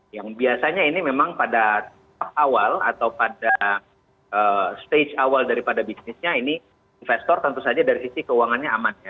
yang biasanya ini memang pada tahap awal atau pada stage awal daripada bisnisnya ini investor tentu saja dari sisi keuangannya aman ya